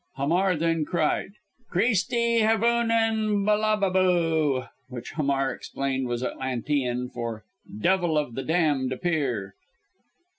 Hamar then cried: "Creastie havoonen balababoo!"; which Hamar explained was Atlantean for "devil of the damned appear!"